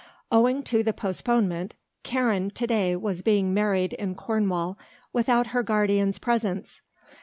Owing to the postponement, Karen to day was being married in Cornwall without her guardian's presence.